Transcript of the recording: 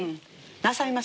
なさいます？